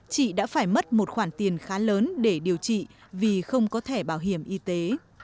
chị đã phải mất một khoản tiền khá lớn để điều trị vì không có thẻ bảo hiểm y tế